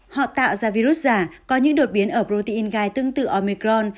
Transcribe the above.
họ tạo ra virus giả có những đột biến ở protein gai tương tự omecron